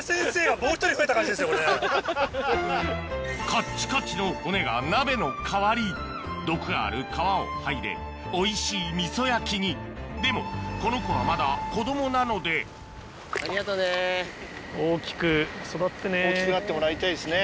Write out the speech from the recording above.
カッチカチの骨が鍋の代わり毒がある皮を剥いでおいしいみそ焼きにでもこの子はまだ子供なので大きくなってもらいたいですね。